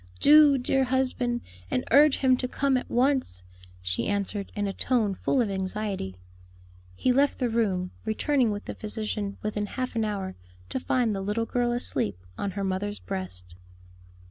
"Do, dear husband, and urge him to come at once," she answered, in a tone full of anxiety. He left the room, returning with the physician within half an hour, to find the little girl asleep on her mother's breast.